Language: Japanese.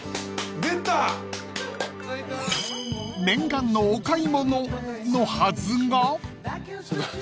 ［念願のお買い物のはずが］